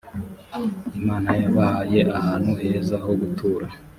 imana yabahaye ahantu heza ho gutura